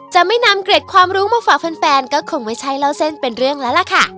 จะไม่นำเกร็ดความรู้มาฝากแฟนก็คงไม่ใช่เล่าเส้นเป็นเรื่องแล้วล่ะค่ะ